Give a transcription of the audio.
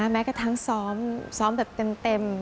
แม้กระทั่งซ้อมแบบเต็ม